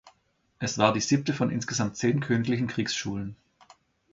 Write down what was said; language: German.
Es war die siebte von insgesamt zehn königlichen Kriegsschulen.